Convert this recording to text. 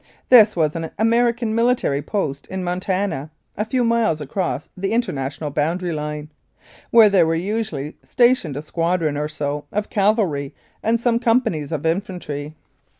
This was an American military post in Mon tana, a few miles across the International boundary line, where there were usually stationed a squadron or so of cavalry and some companies of infantry.